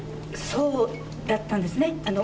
そうだったんですね。